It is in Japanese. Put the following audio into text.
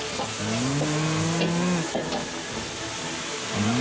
うん！